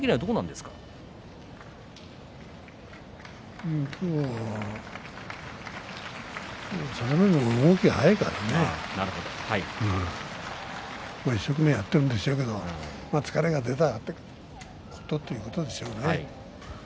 まあ佐田の海は動きが速いからね一生懸命やっているんでしょうけど、疲れが出たということでしょうね。